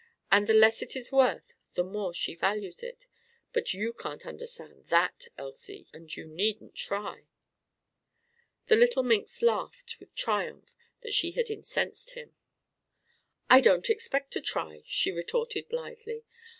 "And the less it is worth, the more she values it. But you can't understand that, Elsie! And you needn't try!" The little minx laughed with triumph that she had incensed him. "I don't expect to try!" she retorted blithely.